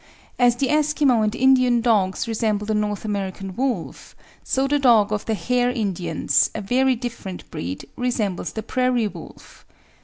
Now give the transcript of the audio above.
As the Eskimo and Indian dogs resemble the North American wolf, so the dog of the Hare Indians, a very different breed, resembles the prairie wolf.